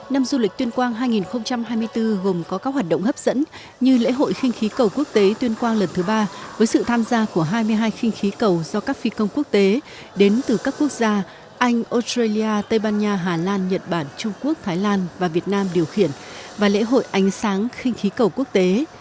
năm du lịch tuyên quang hai nghìn hai mươi bốn gồm có các hoạt động hấp dẫn như lễ hội khinh khí cầu quốc tế tuyên quang lần thứ ba với sự tham gia của hai mươi hai khinh khí cầu do các phi công quốc tế đến từ các quốc gia anh australia tây ban nha hà lan nhật bản trung quốc thái lan và việt nam điều khiển và lễ hội ánh sáng khinh khí cầu quốc tế